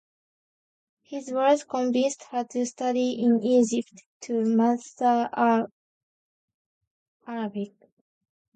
His words convinced her to study in Egypt to master Arabic.